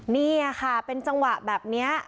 นี่ค่ะเป็นจังหวะแบบนี้